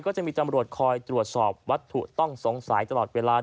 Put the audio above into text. จะมีตำรวจคอยตรวจสอบวัตถุต้องสงสัยตลอดเวลา